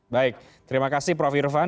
baik terima kasih prof irfan